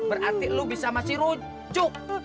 berarti lu bisa masih rujuk